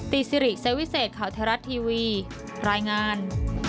ซิริเซวิเศษข่าวไทยรัฐทีวีรายงาน